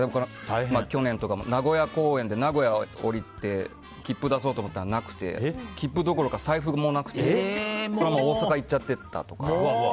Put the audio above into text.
去年とかも名古屋公演で名古屋で降りて切符を出そうと思ったらなくて切符どころか財布もなくて、そのまま大阪に行っちゃってたとか。